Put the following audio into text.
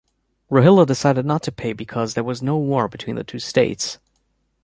Rohilla decided not to pay because there was no war between the two states.